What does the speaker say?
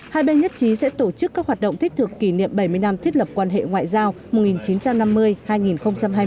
hai bên nhất trí sẽ tổ chức các hoạt động thích thược kỷ niệm bảy mươi năm thiết lập quan hệ ngoại giao